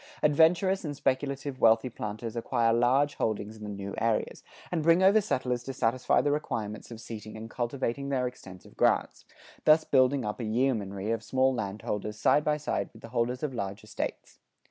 Adventurous and speculative wealthy planters acquire large holdings in the new areas, and bring over settlers to satisfy the requirements of seating and cultivating their extensive grants, thus building up a yeomanry of small landholders side by side with the holders of large estates.